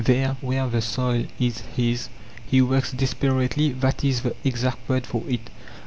There, where the soil is his, he works desperately; that is the exact word for it.